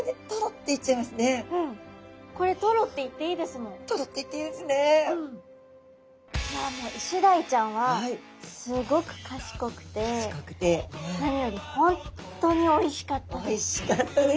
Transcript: もうイシダイちゃんはすごく賢くて何より本当においしかったです！